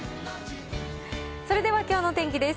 それではきょうの天気です。